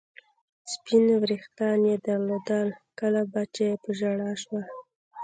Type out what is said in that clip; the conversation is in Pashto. سپین وریښتان یې درلودل، کله به چې په ژړا شوه.